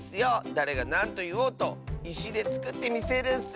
だれがなんといおうといしでつくってみせるッス！